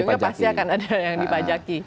iya ujung ujungnya pasti akan ada yang dipajaki